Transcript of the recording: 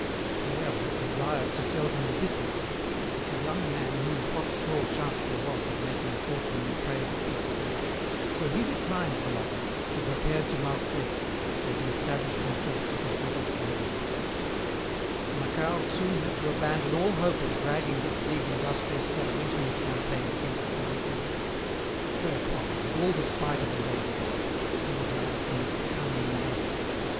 Pierre had desired to sell him the business, but the young man knew what small chance there was of making a fortune in trade at Plassans; so he declined the offer and repaired to Marseilles, where he established himself with his little savings. [*] Both Francois and Marthe figure largely in The Conquest of Plassans. Macquart soon had to abandon all hope of dragging this big industrious fellow into his campaign against the Rougons; whereupon, with all the spite of a lazybones, he regarded him as a cunning miser.